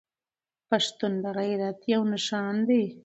پښتون د غيرت يو نښان دی.